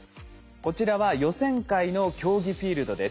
こちらは予選会の競技フィールドです。